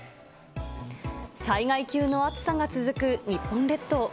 災害級の暑さが続く日本列島。